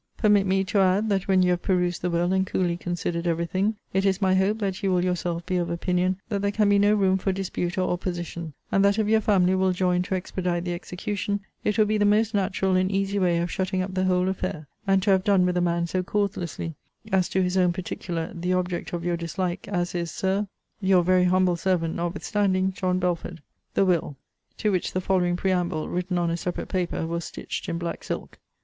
Permit me to add, that when you have perused the will, and coolly considered every thing, it is my hope, that you will yourself be of opinion that there can be no room for dispute or opposition; and that if your family will join to expedite the execution, it will be the most natural and easy way of shutting up the whole affair, and to have done with a man so causelessly, as to his own particular, the object of your dislike, as is, Sir, Your very humble servant, (notwithstanding,) JOHN BELFORD. THE WILL To which the following preamble, written on a separate paper, was Stitched in black silk.